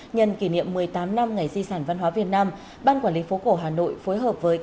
nhân kỷ niệm một mươi tám năm ngày di sản văn hóa việt nam ban quản lý phố cổ hà nội